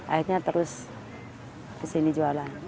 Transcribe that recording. akhirnya terus ke sini jualan